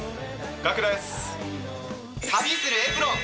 楽です！